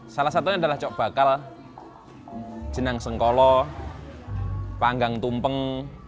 salah satunya adalah cok bakal jenang sengkolo panggang tumpeng